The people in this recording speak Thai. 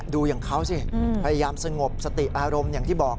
ดูอย่างเขาสิพยายามสงบสติอารมณ์อย่างที่บอก